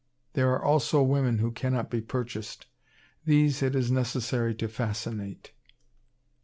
There are also women who cannot be purchased. These it is necessary to fascinate.